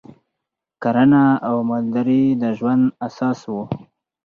کرنه او مالداري د ژوند اساس و